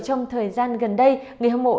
trong thời gian gần đây người hâm mộ